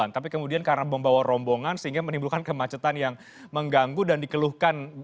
tapi kemudian karena membawa rombongan sehingga menimbulkan kemacetan yang mengganggu dan dikeluhkan